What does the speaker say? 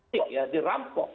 sial ya dirampok